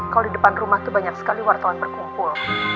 kalau di depan rumah itu banyak sekali wartawan berkumpul